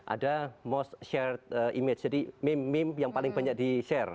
ada most share image jadi meme meme yang paling banyak di share